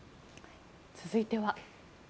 続いては。